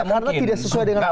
karena tidak sesuai dengan fakta